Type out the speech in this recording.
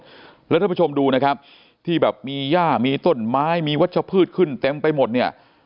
แล้วท่านผู้ชมดูนะครับที่แบบมีย่ามีต้นไม้มีวัชพืชขึ้นเต็มไปหมดเนี่ย